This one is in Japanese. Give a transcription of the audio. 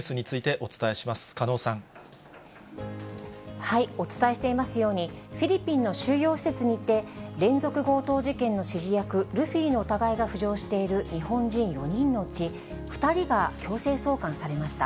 お伝えしていますように、フィリピンの収容施設にいて、連続強盗事件の指示役、ルフィの疑いが浮上している日本人４人のうち、２人が強制送還されました。